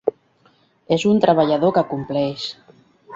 És un treballador que compleix.